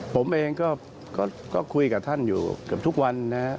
ผมเองก็คุยกับท่านอยู่เกือบทุกวันนะครับ